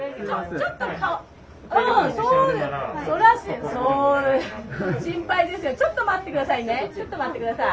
ちょっと待って下さい。